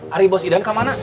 hari bos idan kemana